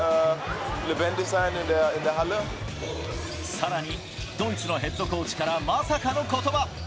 さらに、ドイツのヘッドコーチから、まさかのことば。